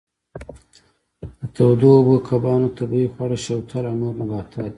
د تودو اوبو کبانو طبیعي خواړه شوتل او نور نباتات دي.